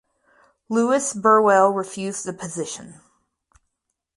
Lewis Burwell refused the position.